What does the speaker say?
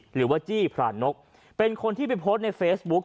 หรือว่าจี้พรานกเป็นคนที่ไปโพสต์ในเฟซบุ๊ก